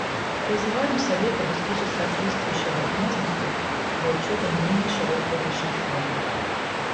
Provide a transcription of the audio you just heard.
Призываем Совет обеспечить соответствующие возможности для учета мнений широкого большинства.